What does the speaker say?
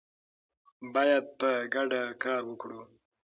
باید په ګډه کار وکړو.